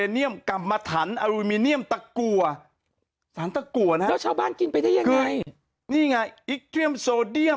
นี่แหละมันอยู่ในนี้แหละ